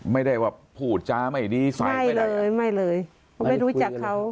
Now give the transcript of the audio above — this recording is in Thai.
ไม่ได้แบบพูดจ๊ะไม่ดีไซด์ไม่ได้ไม่เลยไม่รู้จักเขา